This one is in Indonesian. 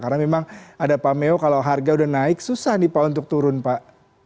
karena memang ada pameo kalau harga sudah naik susah nih pak untuk turun pak